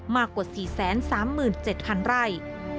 มากกว่า๔๓๗๐๐ไร่